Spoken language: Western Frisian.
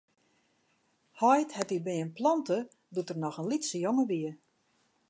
Heit hat dy beam plante doe't er noch in lytse jonge wie.